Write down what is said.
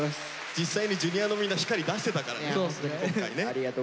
実際にＪｒ．のみんな光出してたからね今回ね。